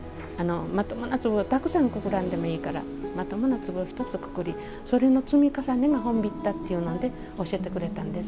まともな粒をたくさんくくらんでいいからまともな粒を１つくくりそれの積み重ねが本疋田というのを教えてくれたんです。